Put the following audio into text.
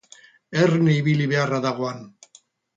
Erne ibili beharra dago han.